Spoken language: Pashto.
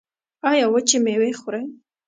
ایا وچې میوې خورئ؟